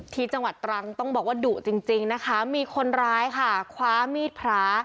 ที่จังหวัดตรังต้องบอกว่าดุจริงจริงนะคะมีคนร้ายค่ะคว้ามีดพระ